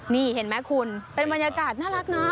นี่เห็นไหมคุณเป็นบรรยากาศน่ารักนะ